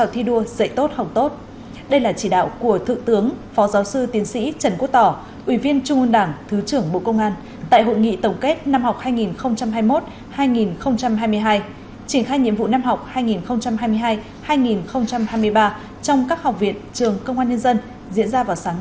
chỉnh khai nhiệm vụ năm học hai nghìn hai mươi hai hai nghìn hai mươi ba trong các học viện trường công an nhân dân diễn ra vào sáng nay tại hà nội